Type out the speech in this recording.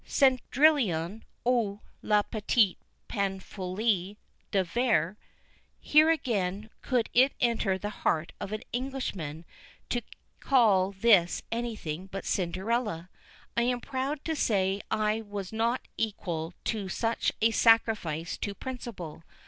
Cendrillon; ou, la Petite Pantoufle de Verre. Here, again, could it enter the heart of an Englishman to call this anything but Cinderella? I am proud to say I was not equal to such a sacrifice to principle.